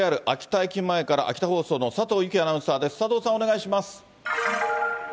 ＪＲ秋田駅前から、秋田放送の佐藤ゆきアナウンサーです。